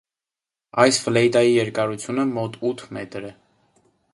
Այս ֆլեյտայի երկարությունը մոտ ութ մետր է։